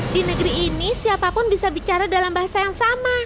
di negeri ini siapapun bisa bicara dalam bahasa yang sama